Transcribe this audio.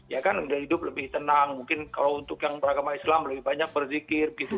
ya kan udah hidup lebih tenang mungkin kalau untuk yang beragama islam lebih banyak berzikir gitu